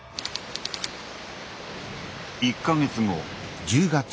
１か月後。